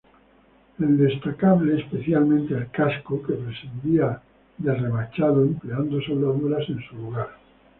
Es destacable especialmente el casco, que prescindía del remachado empleando soldadura en su lugar.